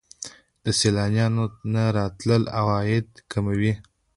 د سیلانیانو نه راتلل عواید کموي.